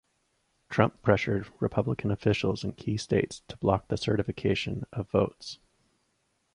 Trump pressured Republican officials in key states to block the certification of votes.